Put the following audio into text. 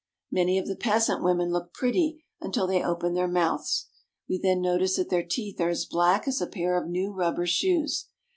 Many of the peasant women look pretty until they open their mouths. We then notice that their teeth are as black as a pair of new rubber shoes.